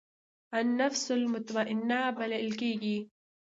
النفس المطمئنه بلل کېږي.